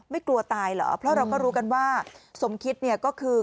กลัวตายเหรอเพราะเราก็รู้กันว่าสมคิดเนี่ยก็คือ